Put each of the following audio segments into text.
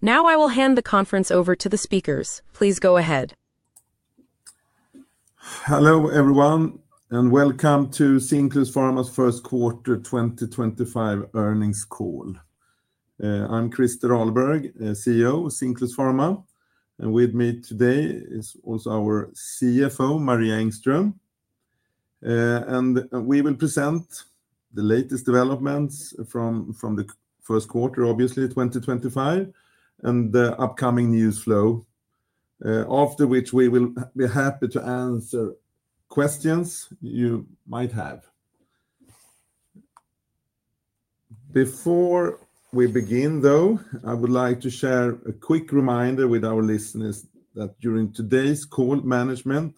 Now I will hand the conference over to the speakers. Please go ahead. Hello everyone, and welcome to Cinclus Pharma's first quarter 2025 earnings call. I'm Christer Ahlberg, CEO of Cinclus Pharma, and with me today is also our CFO, Maria Engström. We will present the latest developments from the first quarter, obviously 2025, and the upcoming news flow, after which we will be happy to answer questions you might have. Before we begin, though, I would like to share a quick reminder with our listeners that during today's call, management,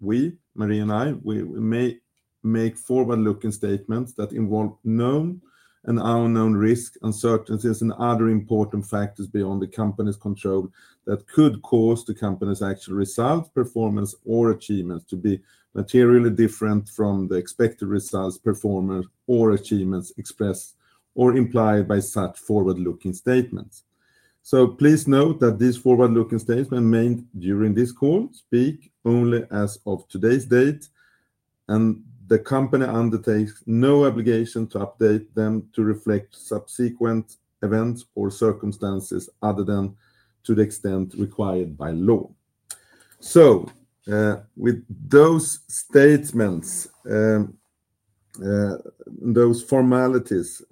we, Maria and I, we may make forward-looking statements that involve known and unknown risk, uncertainties, and other important factors beyond the company's control that could cause the company's actual results, performance, or achievements to be materially different from the expected results, performance, or achievements expressed or implied by such forward-looking statements. Please note that these forward-looking statements made during this call speak only as of today's date, and the company undertakes no obligation to update them to reflect subsequent events or circumstances other than to the extent required by law. With those statements, those formalities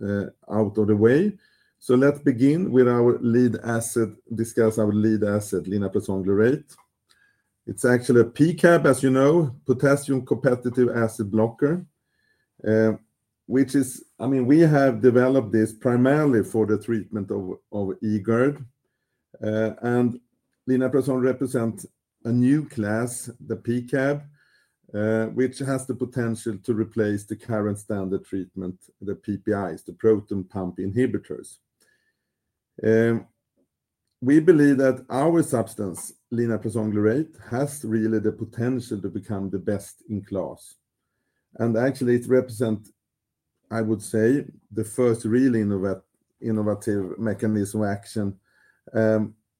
out of the way, let's begin with our lead asset, discuss our lead asset, linaprazan glurate. It's actually a PCAB, as you know, potassium-competitive acid blocker, which is, I mean, we have developed this primarily for the treatment of eGERD. Linaprazan represents a new class, the PCAB, which has the potential to replace the current standard treatment, the PPIs, the proton pump inhibitors. We believe that our substance, linaprazan glurate, has really the potential to become the best in class. Actually, it represents, I would say, the first really innovative mechanism of action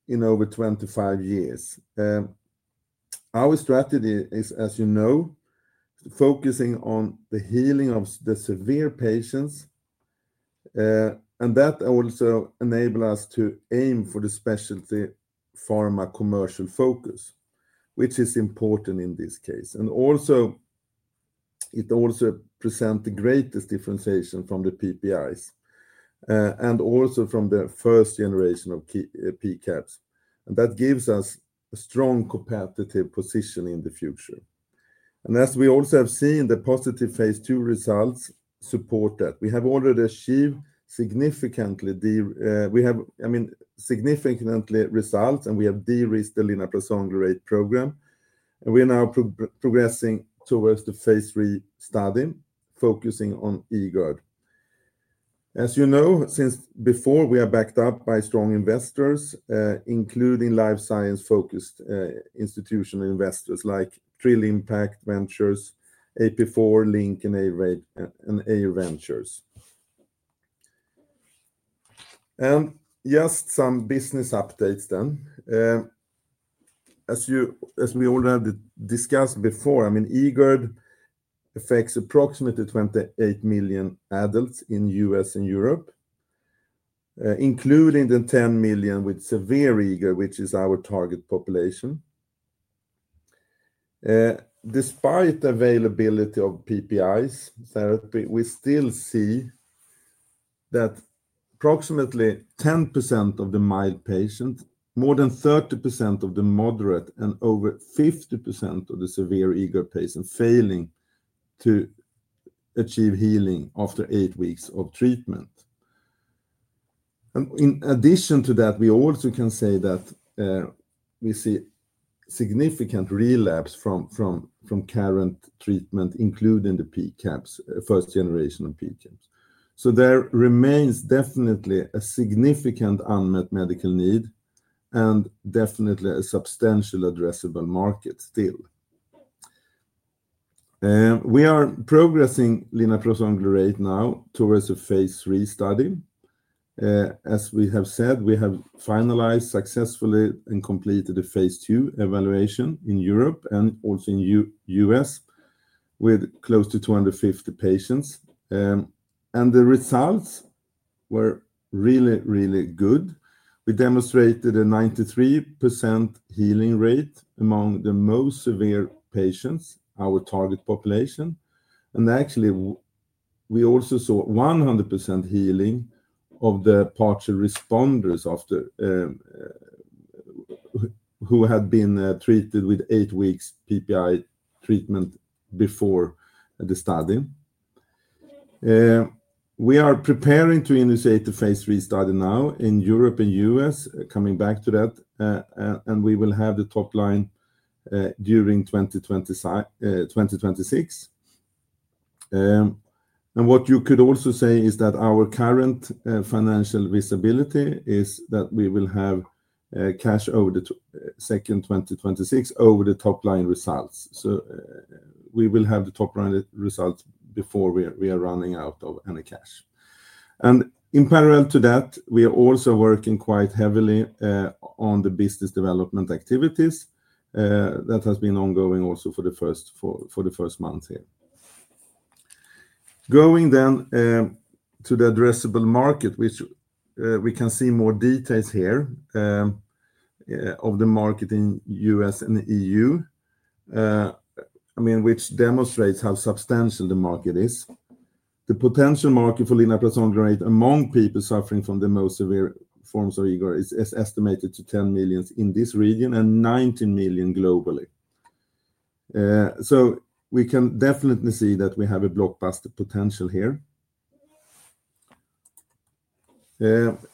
in over 25 years. Our strategy is, as you know, focusing on the healing of the severe patients, and that also enables us to aim for the specialty pharma commercial focus, which is important in this case. It also presents the greatest differentiation from the PPIs and also from the first generation of PCABs. That gives us a strong competitive position in the future. As we also have seen, the positive Phase II results support that. We have already achieved significant results, and we have de-risked the linaprazan glurate program. We are now progressing towards the Phase III study, focusing on eGERD. As you know, since before, we are backed up by strong investors, including life science-focused institutional investors like Trill Impact Ventures, AP4, Linc, and Eir Ventures. Just some business updates then. As we already discussed before, I mean, eGERD affects approximately 28 million adults in the U.S. and Europe, including the 10 million with severe eGERD, which is our target population. Despite the availability of PPIs, we still see that approximately 10% of the mild patients, more than 30% of the moderate, and over 50% of the severe eGERD patients failing to achieve healing after eight weeks of treatment. In addition to that, we also can say that we see significant relapse from current treatment, including the first generation of PCABs. There remains definitely a significant unmet medical need and definitely a substantial addressable market still. We are progressing linaprazan glurate now towards a Phase III study. As we have said, we have finalized successfully and completed a Phase II evaluation in Europe and also in the U.S. with close to 250 patients. The results were really, really good. We demonstrated a 93% healing rate among the most severe patients, our target population. Actually, we also saw 100% healing of the partial responders who had been treated with eight weeks PPI treatment before the study. We are preparing to initiate the Phase III study now in Europe and the U.S., coming back to that, and we will have the top line during 2026. What you could also say is that our current financial visibility is that we will have cash over the second 2026 over the top line results. We will have the top line results before we are running out of any cash. In parallel to that, we are also working quite heavily on the business development activities that have been ongoing also for the first month here. Going then to the addressable market, which we can see more details here of the market in the U.S. and the EU, I mean, which demonstrates how substantial the market is. The potential market for linaprazan glurate among people suffering from the most severe forms of eGERD is estimated to 10 million in this region and 19 million globally. We can definitely see that we have a blockbuster potential here.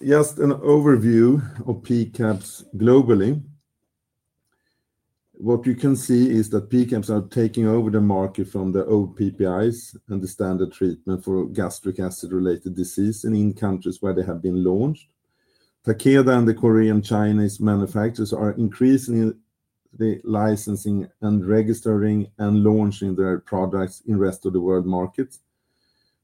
Just an overview of PCABs globally, what you can see is that PCABs are taking over the market from the old PPIs and the standard treatment for gastric acid-related disease in countries where they have been launched. Takeda and the Korean/Chinese manufacturers are increasingly licensing and registering and launching their products in the rest of the world market.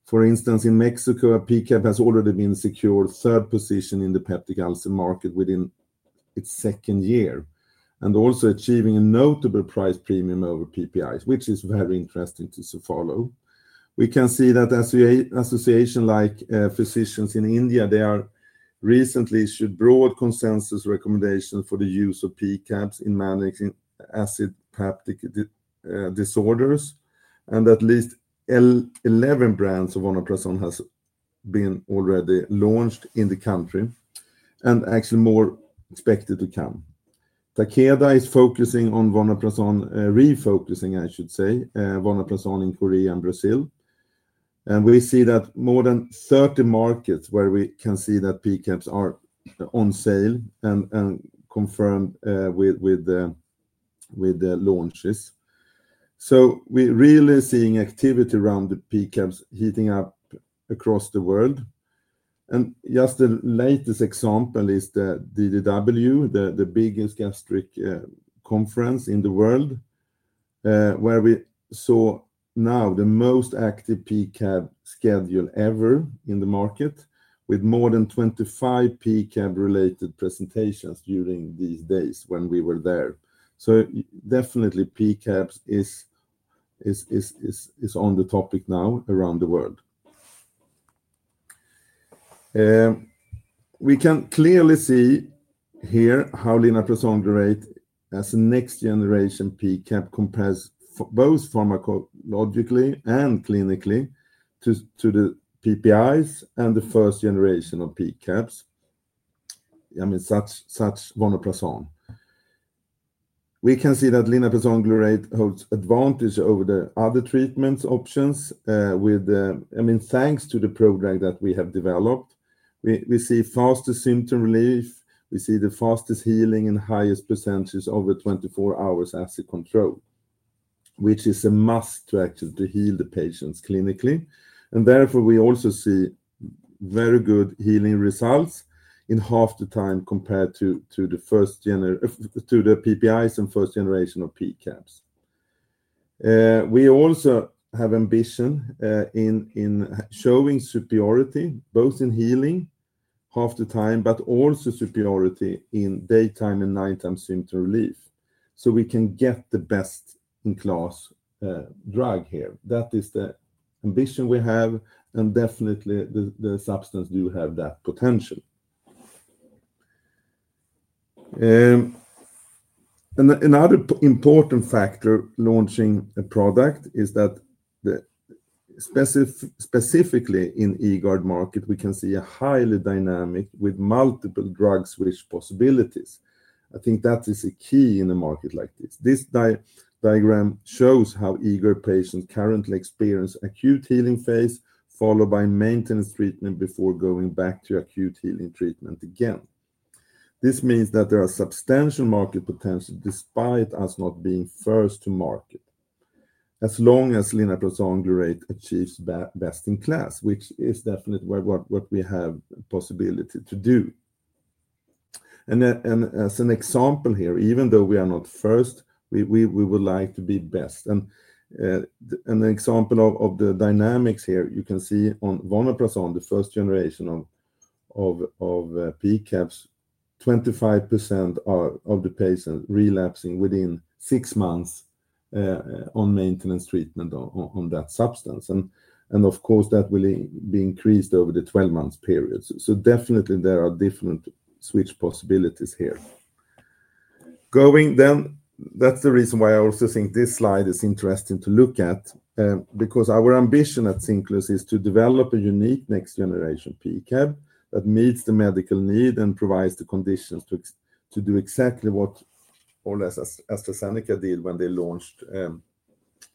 For instance, in Mexico, a PCAB has already secured third position in the peptic ulcer market within its second year and also achieving a notable price premium over PPIs, which is very interesting to follow. We can see that associations like physicians in India, they have recently issued broad consensus recommendations for the use of PCABs in managing acid peptic disorders. At least 11 brands of vonoprazan have been already launched in the country and actually more expected to come. Takeda is focusing on vonoprazan, refocusing, I should say, vonoprazan in Korea and Brazil. We see that there are more than 30 markets where we can see that PCABs are on sale and confirmed with the launches. We're really seeing activity around the PCABs heating up across the world. Just the latest example is the DDW, the biggest gastric conference in the world, where we saw now the most active PCAB schedule ever in the market, with more than 25 PCAB-related presentations during these days when we were there. Definitely PCABs is on the topic now around the world. We can clearly see here how linaprazan glurate as a next-generation PCAB compares both pharmacologically and clinically to the PPIs and the first generation of PCABs, I mean, such as vonoprazan. We can see that linaprazan glurate holds advantage over the other treatment options with, I mean, thanks to the program that we have developed. We see faster symptom relief. We see the fastest healing and highest percentages over 24 hours acid control, which is a must to actually heal the patients clinically. Therefore, we also see very good healing results in half the time compared to the PPIs and first generation of PCABs. We also have ambition in showing superiority both in healing half the time, but also superiority in daytime and nighttime symptom relief. We can get the best in class drug here. That is the ambition we have, and definitely the substance does have that potential. Another important factor launching a product is that specifically in the eGERD market, we can see a highly dynamic with multiple drug switch possibilities. I think that is a key in a market like this. This diagram shows how eGERD patients currently experience acute healing phase followed by maintenance treatment before going back to acute healing treatment again. This means that there are substantial market potential despite us not being first to market, as long as linaprazan glurate achieves best in class, which is definitely what we have the possibility to do. As an example here, even though we are not first, we would like to be best. An example of the dynamics here, you can see on vonoprazan, the first generation of PCABs, 25% of the patients relapsing within six months on maintenance treatment on that substance. Of course, that will be increased over the 12-month period. Definitely, there are different switch possibilities here. Going then, that's the reason why I also think this slide is interesting to look at, because our ambition at Cinclus is to develop a unique next-generation PCAB that meets the medical need and provides the conditions to do exactly what AstraZeneca did when they launched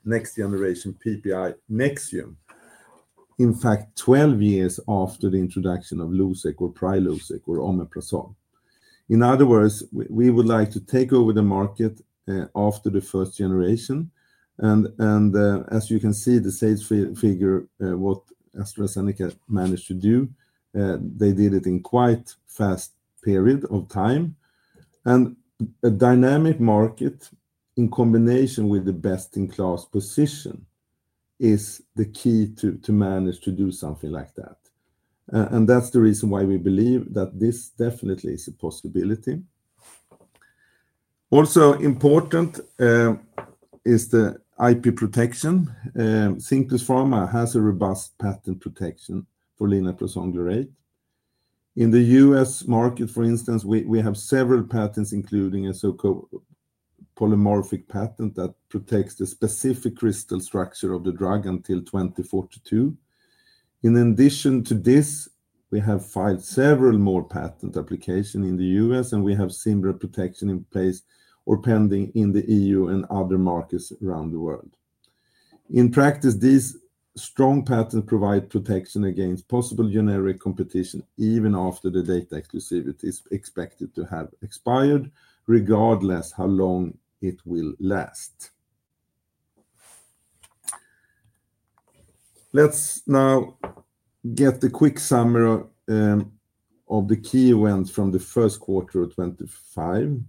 next-generation PPI Nexium, in fact, 12 years after the introduction of Losec or Prilosec or omeprazole. In other words, we would like to take over the market after the first generation. As you can see, the sales figure, what AstraZeneca managed to do, they did it in quite a fast period of time. A dynamic market in combination with the best-in-class position is the key to manage to do something like that. That's the reason why we believe that this definitely is a possibility. Also important is the IP protection. Cinclus Pharma has a robust patent protection for linaprazan glurate. In the U.S. market, for instance, we have several patents, including a so-called polymorphic patent that protects the specific crystal structure of the drug until 2042. In addition to this, we have filed several more patent applications in the U.S., and we have similar protection in place or pending in the EU and other markets around the world. In practice, these strong patents provide protection against possible generic competition even after the data exclusivity is expected to have expired, regardless of how long it will last. Let's now get the quick summary of the key events from the first quarter of 2025.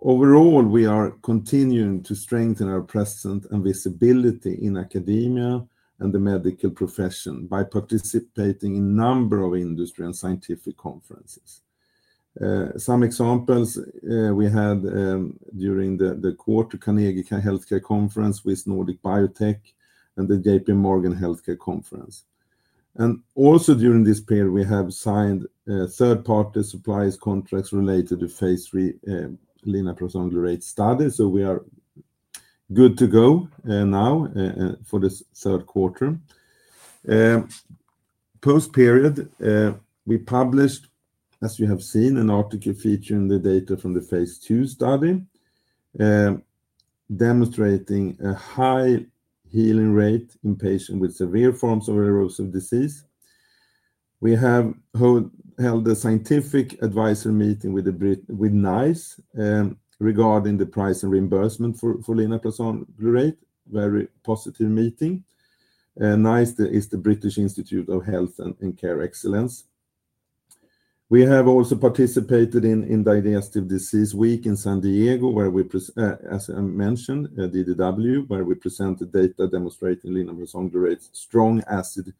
Overall, we are continuing to strengthen our presence and visibility in academia and the medical profession by participating in a number of industry and scientific conferences. Some examples we had during the quarter: Carnegie Healthcare Conference, Swiss Nordic Biotech and the JP Morgan Healthcare Conference. Also during this period, we have signed third-party suppliers' contracts related to Phase III linaprazan glurate studies. We are good to go now for the third quarter. Post-period, we published, as you have seen, an article featuring the data from the Phase II study demonstrating a high healing-rate in patients with severe forms of erosive disease. We have held a scientific advisory meeting with NICE regarding the price and reimbursement for linaprazan glurate, a very positive meeting. NICE is the British Institute for Health and Care Excellence. We have also participated in Digestive Disease Week in San Diego, where we, as I mentioned, DDW, where we presented data demonstrating linaprazan glurate's strong acid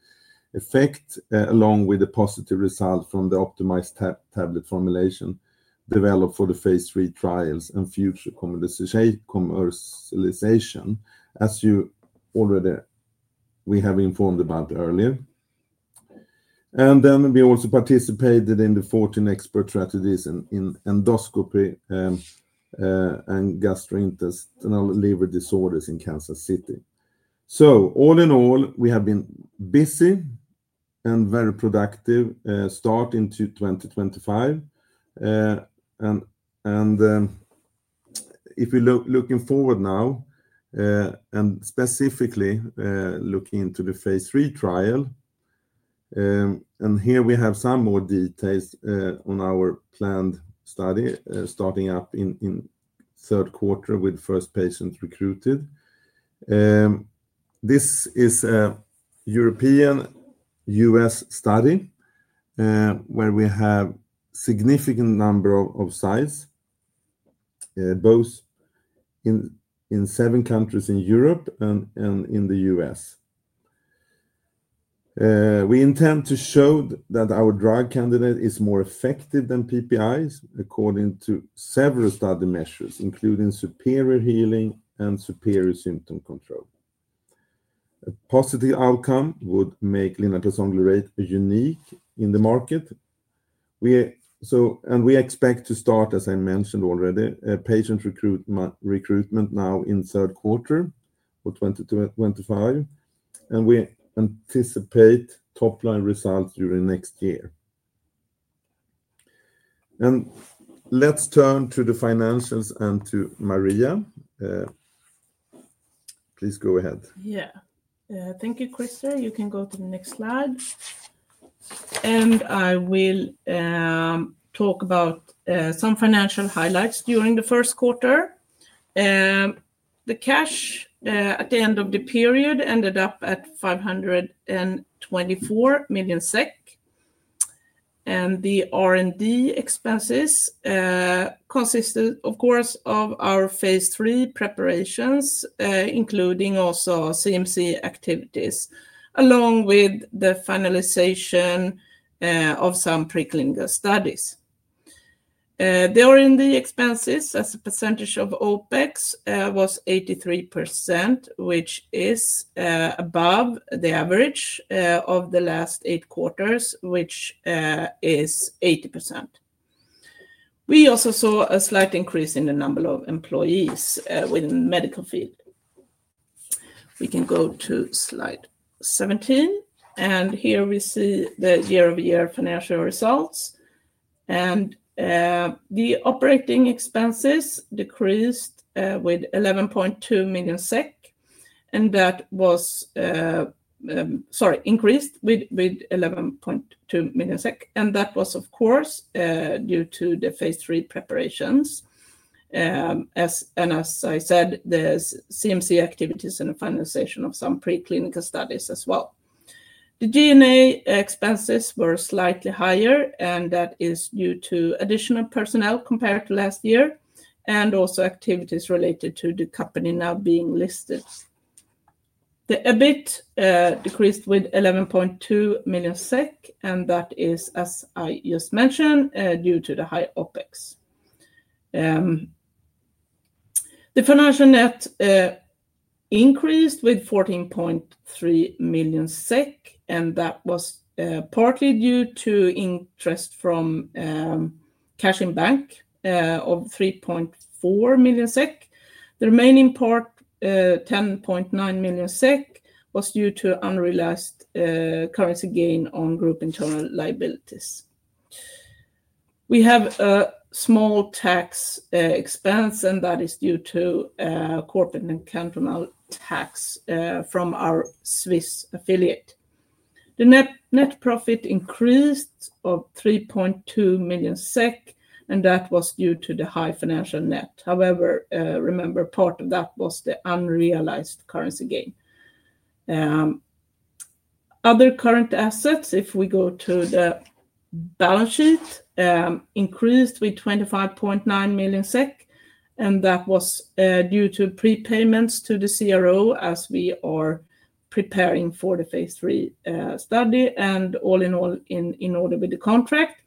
effect along with a positive result from the optimized tablet formulation developed for the Phase III trials and future commercialization, as you already we have informed about earlier. We also participated in the 14th Expert Strategies in Endoscopy, Gastrointestinal and Liver Disorders in Kansas City. All in all, we have been busy and very productive starting to 2025. If we're looking forward now and specifically looking into the Phase III trial, here we have some more details on our planned study starting up in third quarter with first patients recruited. This is a European-U.S. study where we have a significant number of sites, both in seven countries in Europe and in the U.S.. We intend to show that our drug candidate is more effective than PPIs according to several study measures, including superior healing and superior symptom control. A positive outcome would make linaprazan glurate unique in the market. We expect to start, as I mentioned already, patient recruitment now in third quarter for 2025. We anticipate top line results during next year. Let's turn to the financials and to Maria. Please go ahead. Yeah. Thank you, Christer. You can go to the next slide. I will talk about some financial highlights during the first quarter. The cash at the end of the period ended up at 524 million SEK. The R&D expenses consisted, of course, of our Phase III preparations, including also CMC activities, along with the finalization of some preclinical studies. The R&D expenses, as a percentage of OPEX, was 83%, which is above the average of the last eight quarters, which is 80%. We also saw a slight increase in the number of employees within the medical field. We can go to slide 17. Here we see the year-over-year financial results. The operating expenses decreased with 11.2 million SEK. That was, sorry, increased with 11.2 million SEK. That was, of course, due to the Phase III preparations. As I said, there are CMC activities and the finalization of some preclinical studies as well. The G&A expenses were slightly higher, and that is due to additional personnel compared to last year and also activities related to the company now being listed. The EBIT decreased with 11.2 million SEK, and that is, as I just mentioned, due to the high OPEX. The financial net increased with 14.3 million SEK, and that was partly due to interest from cash in bank of 3.4 million SEK. The remaining part, 10.9 million SEK, was due to unrealized currency gain on group internal liabilities. We have a small tax expense, and that is due to corporate and cantonal tax from our Swiss affiliate. The net profit increased of 3.2 million SEK, and that was due to the high financial net. However, remember, part of that was the unrealized currency gain. Other current assets, if we go to the balance sheet, increased with 25.9 million SEK, and that was due to prepayments to the CRO as we are preparing for the phase three study and all in all in order with the contract.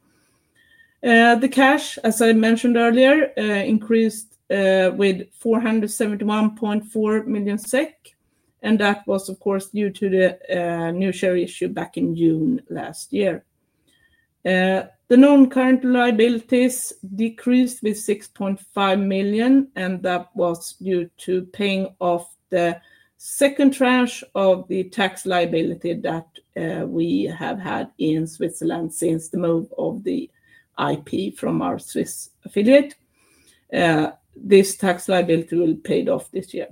The cash, as I mentioned earlier, increased with 471.4 million SEK, and that was, of course, due to the new share issue back in June last year. The known current liabilities decreased with 6.5 million, and that was due to paying off the second tranche of the tax liability that we have had in Switzerland since the move of the IP from our Swiss affiliate. This tax liability will be paid off this year.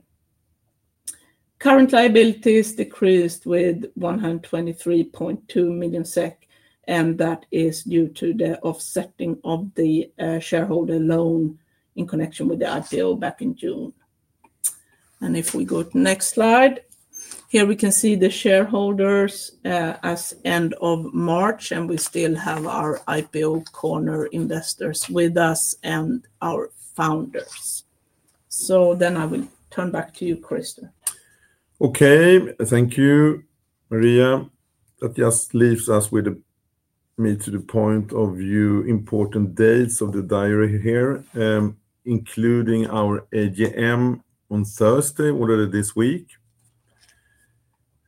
Current liabilities decreased with 123.2 million SEK, and that is due to the offsetting of the shareholder loan in connection with the IPO back in June. If we go to the next slide, here we can see the shareholders as end of March, and we still have our IPO corner investors with us and our founders. I will turn back to you, Christer. Okay. Thank you, Maria. That just leaves us with me to the point of view important dates of the diary here, including our AGM on Thursday already this week.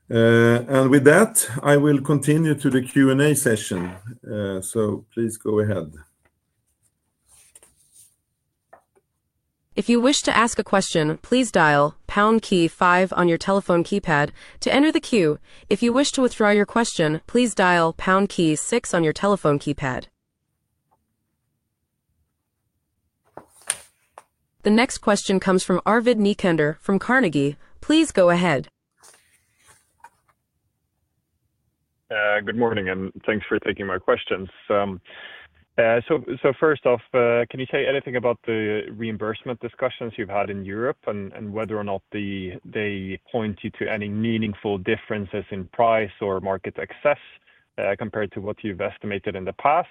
With that, I will continue to the Q&A session. Please go ahead. If you wish to ask a question, please dial pound key five on your telephone keypad to enter the queue. If you wish to withdraw your question, please dial pound key six on your telephone keypad. The next question comes from Arvid Necander from Carnegie. Please go ahead. Good morning, and thanks for taking my questions. First off, can you say anything about the reimbursement discussions you've had in Europe and whether or not they point you to any meaningful differences in price or market access compared to what you've estimated in the past?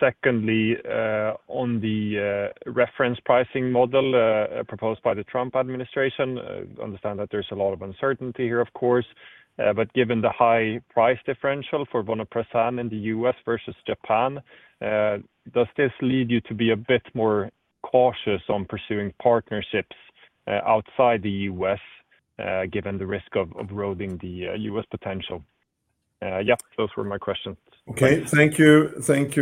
Secondly, on the reference pricing model proposed by the Trump administration, I understand that there's a lot of uncertainty here, of course, but given the high price differential for vonoprazan in the U.S. versus Japan, does this lead you to be a bit more cautious on pursuing partnerships outside the U.S. given the risk of eroding the U.S. potential? Yeah, those were my questions. Okay. Thank you,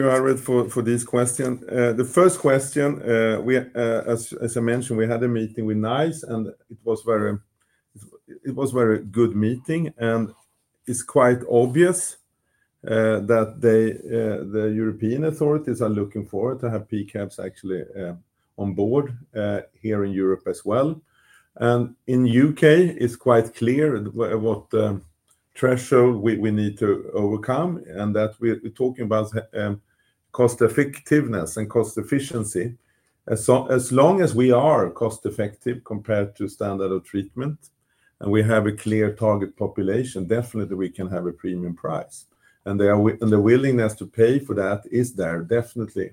Arvid, for these questions. The first question, as I mentioned, we had a meeting with NICE, and it was a very good meeting. It is quite obvious that the European authorities are looking forward to have PCABs actually on board here in Europe as well. In the U.K., it is quite clear what threshold we need to overcome and that we are talking about cost-effectiveness and cost efficiency. As long as we are cost-effective compared to standard of treatment and we have a clear target population, definitely we can have a premium price. The willingness to pay for that is there definitely.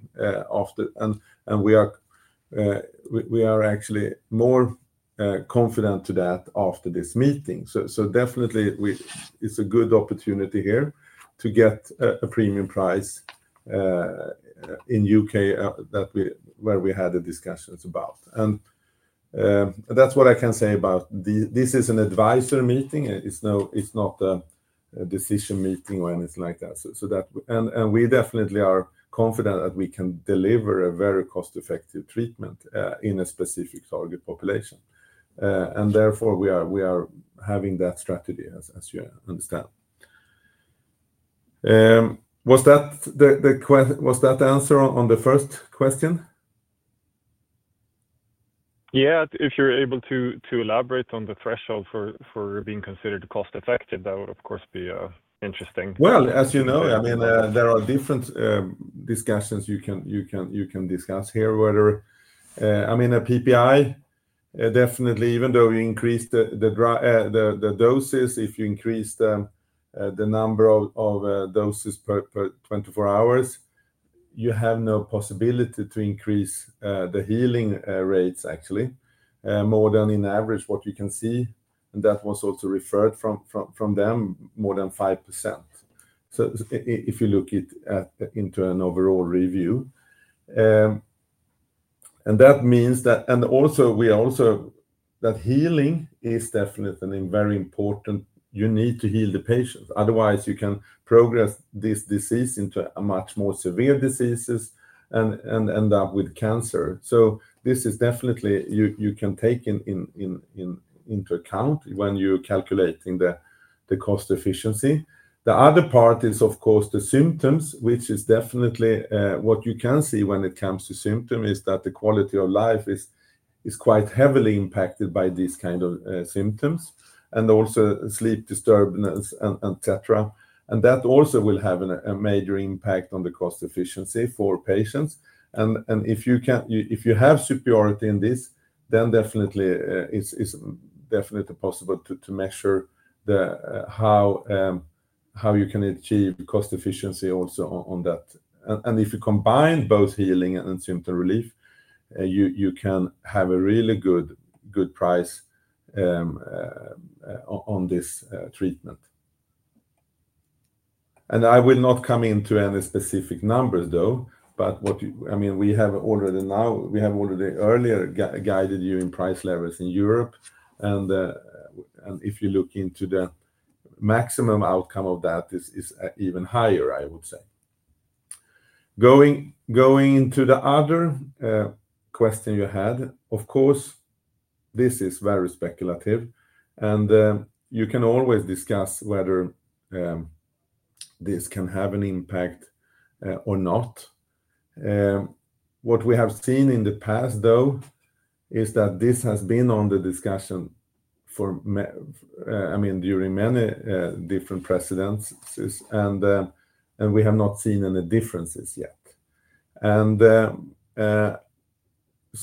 We are actually more confident to that after this meeting. Definitely, it is a good opportunity here to get a premium price in the U.K. where we had the discussions about. That is what I can say about this. This is an advisory meeting. It is not a decision meeting or anything like that. We definitely are confident that we can deliver a very cost-effective treatment in a specific target population. Therefore, we are having that strategy, as you understand. Was that the answer on the first question? Yeah, if you're able to elaborate on the threshold for being considered cost-effective, that would, of course, be interesting. As you know, I mean, there are different discussions you can discuss here, whether, I mean, a PPI, definitely, even though you increase the doses, if you increase the number of doses per 24 hours, you have no possibility to increase the healing rates, actually, more than in average, what you can see. That was also referred from them, more than 5%. If you look at it into an overall review, that means that, and also, we are also that healing is definitely very important. You need to heal the patients. Otherwise, you can progress this disease into much more severe diseases and end up with cancer. This is definitely something you can take into account when you're calculating the cost efficiency. The other part is, of course, the symptoms, which is definitely what you can see when it comes to symptom is that the quality of life is quite heavily impacted by these kinds of symptoms and also sleep disturbance, etc. That also will have a major impact on the cost efficiency for patients. If you have superiority in this, then definitely it's possible to measure how you can achieve cost efficiency also on that. If you combine both healing and symptom relief, you can have a really good price on this treatment. I will not come into any specific numbers, though, but I mean, we have already now, we have already earlier guided you in price levels in Europe. If you look into the maximum outcome of that, it's even higher, I would say. Going into the other question you had, of course, this is very speculative. You can always discuss whether this can have an impact or not. What we have seen in the past, though, is that this has been on the discussion for, I mean, during many different precedents, and we have not seen any differences yet.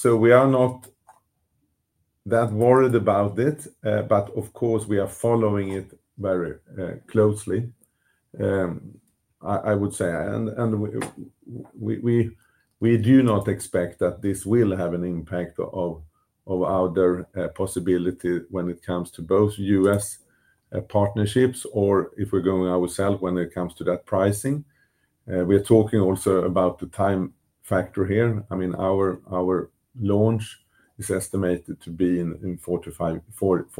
We are not that worried about it, but of course, we are following it very closely, I would say. We do not expect that this will have an impact on our possibility when it comes to both U.S. partnerships or if we're going ourselves when it comes to that pricing. We are talking also about the time factor here. I mean, our launch is estimated to be in four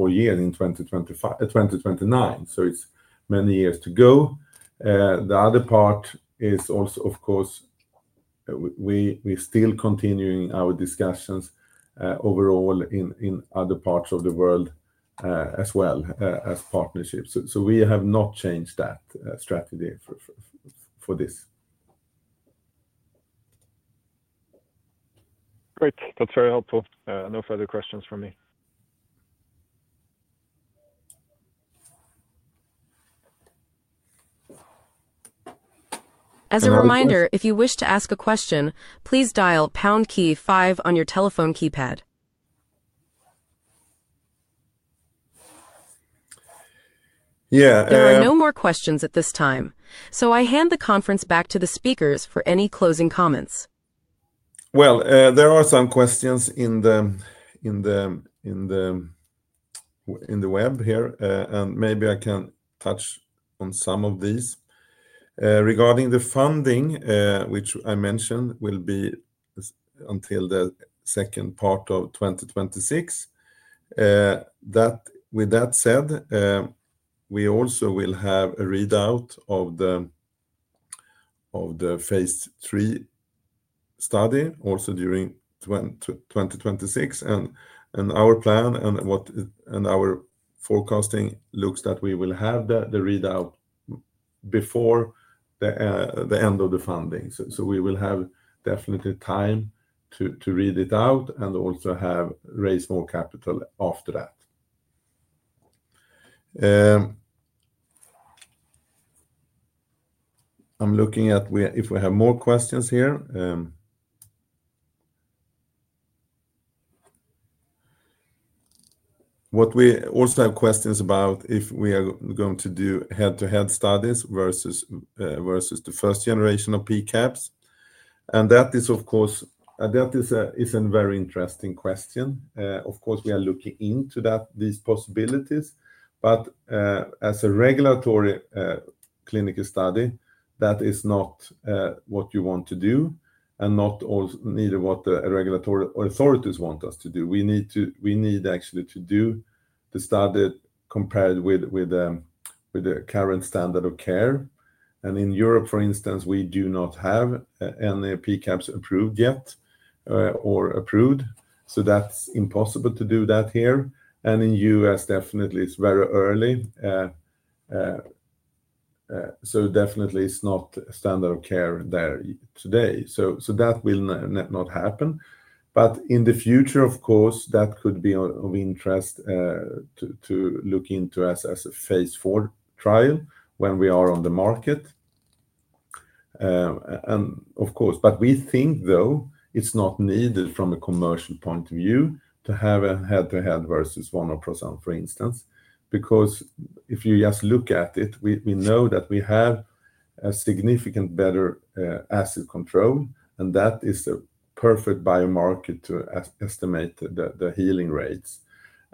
years in 2029. It's many years to go. The other part is also, of course, we are still continuing our discussions overall in other parts of the world as well as partnerships. We have not changed that strategy for this. Great. That's very helpful. No further questions from me. As a reminder, if you wish to ask a question, please dial pound key five on your telephone keypad. Yeah. There are no more questions at this time. I hand the conference back to the speakers for any closing comments. There are some questions in the web here, and maybe I can touch on some of these. Regarding the funding, which I mentioned will be until the second part of 2026, with that said, we also will have a readout of the Phase III study also during 2026. Our plan and our forecasting looks that we will have the readout before the end of the funding. We will have definitely time to read it out and also raise more capital after that. I'm looking at if we have more questions here. We also have questions about if we are going to do head-to-head studies versus the first generation of PCABs. That is, of course, a very interesting question. Of course, we are looking into these possibilities, but as a regulatory clinical study, that is not what you want to do and neither what the regulatory authorities want us to do. We need actually to do the study compared with the current standard of care. In Europe, for instance, we do not have any PCABs approved yet. So that's impossible to do that here. In the U.S., definitely, it's very early. Definitely, it's not standard of care there today. That will not happen. In the future, of course, that could be of interest to look into as a Phase IV trial when we are on the market. Of course, we think, though, it's not needed from a commercial point of view to have a head-to-head versus vonoprazan, for instance, because if you just look at it, we know that we have a significant better acid control, and that is the perfect biomarker to estimate the healing rates.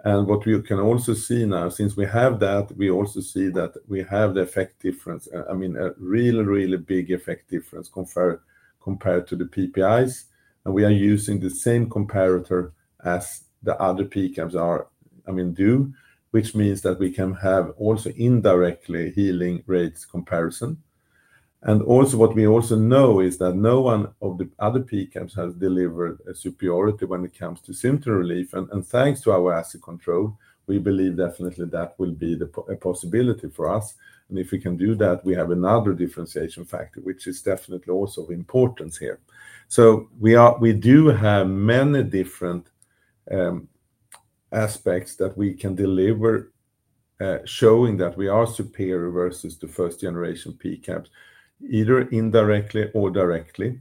What we can also see now, since we have that, we also see that we have the effect difference, I mean, a really, really big effect difference compared to the PPIs. We are using the same comparator as the other PCABs are, I mean, do, which means that we can have also indirectly healing rates comparison. What we also know is that none of the other PCABs has delivered a superiority when it comes to symptom relief. Thanks to our acid control, we believe definitely that will be a possibility for us. If we can do that, we have another differentiation factor, which is definitely also of importance here. We do have many different aspects that we can deliver showing that we are superior versus the first-generation PCABs, either indirectly or directly,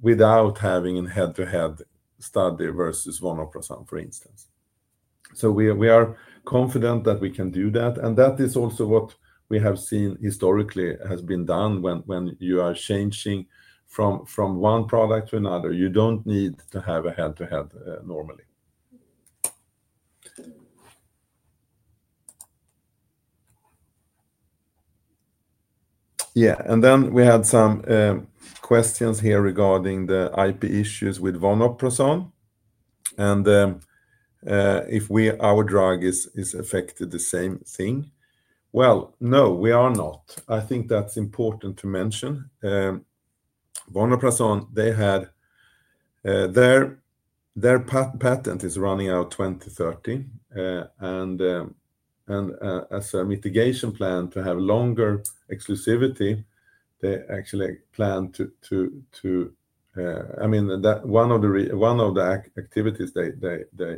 without having a head-to-head study versus vonoprazan, for instance. We are confident that we can do that. That is also what we have seen historically has been done when you are changing from one product to another. You don't need to have a head-to-head normally. Yeah. Then we had some questions here regarding the IP issues with vonoprazan. If our drug is affected the same thing? No, we are not. I think that's important to mention. Vonoprazan, they had their patent is running out 2030. As a mitigation plan to have longer exclusivity, they actually planned to, I mean, one of the activities they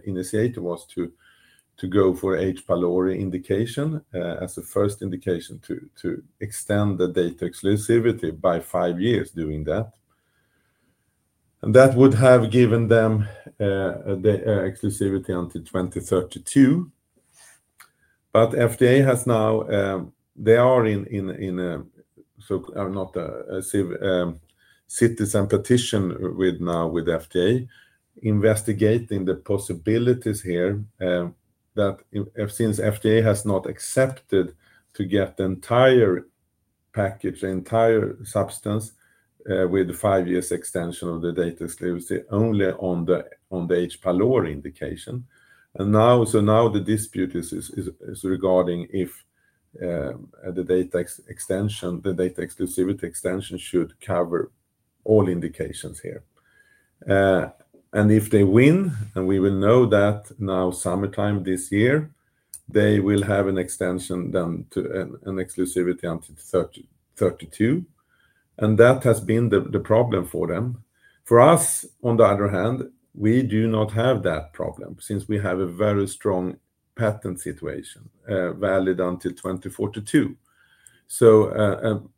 initiated was to go for H. pylori indication as a first indication to extend the data exclusivity by five years doing that. That would have given them exclusivity until 2032. FDA has now, they are in a citizen petition now with FDA investigating the possibilities here that since FDA has not accepted to get the entire package, the entire substance with five years extension of the data exclusivity only on the H. pylori indication. Now the dispute is regarding if the data exclusivity extension should cover all indications here. If they win, and we will know that now summertime this year, they will have an extension then to an exclusivity until 2032. That has been the problem for them. For us, on the other hand, we do not have that problem since we have a very strong patent situation valid until 2042.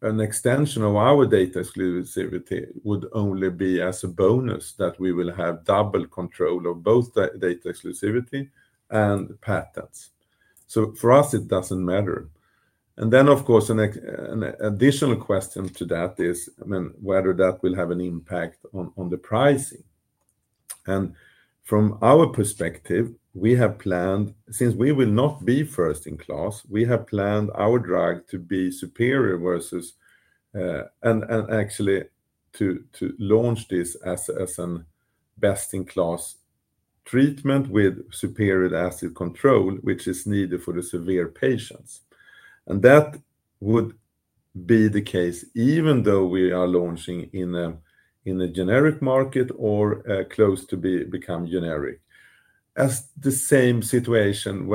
An extension of our data exclusivity would only be as a bonus that we will have double control of both data exclusivity and patents. For us, it does not matter. Of course, an additional question to that is, I mean, whether that will have an impact on the pricing. From our perspective, we have planned, since we will not be first in class, we have planned our drug to be superior versus, and actually to launch this as a best-in-class treatment with superior acid control, which is needed for the severe patients. That would be the case even though we are launching in a generic market or close to become generic. It is the same situation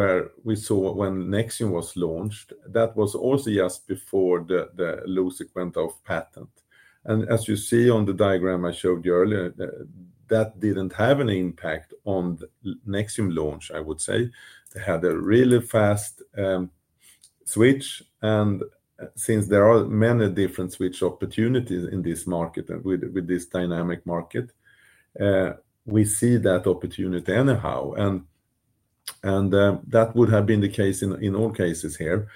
we saw when Nexium was launched, that was also just before the loss of patent. As you see on the diagram I showed you earlier, that did not have an impact on Nexium launch, I would say. They had a really fast switch. Since there are many different switch opportunities in this market with this dynamic market, we see that opportunity anyhow. That would have been the case in all cases here.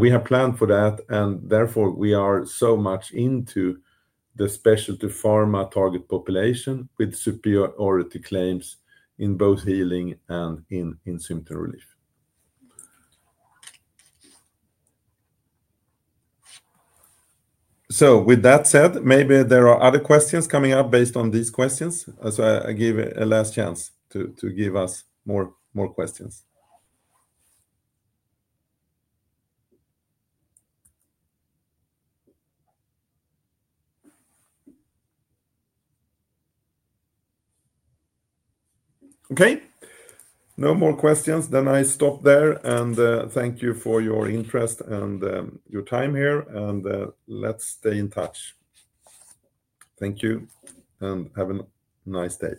We have planned for that. We are so much into the specialty pharma target population with superiority claims in both healing and in symptom relief. With that said, maybe there are other questions coming up based on these questions. I give a last chance to give us more questions. Okay. No more questions. I stop there. Thank you for your interest and your time here. Let's stay in touch. Thank you and have a nice day.